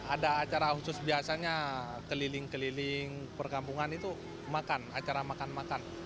ada acara khusus biasanya keliling keliling perkampungan itu makan acara makan makan